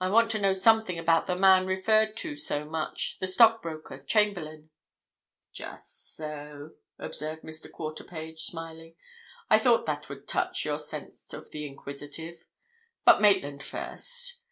I want to know something about the man referred to so much—the stockbroker, Chamberlayne." "Just so," observed Mr. Quarterpage, smiling. "I thought that would touch your sense of the inquisitive. But Maitland first.